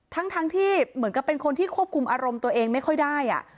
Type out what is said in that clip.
ทั้งที่เหมือนกับเป็นคนที่ควบคุมอารมณ์ตัวเองไม่ค่อยได้